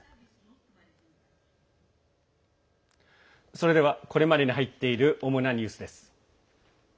それではこれまでに入っている主なニュースです。